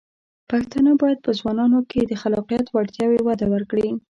پښتانه بايد په ځوانانو کې د خلاقیت وړتیاوې وده ورکړي.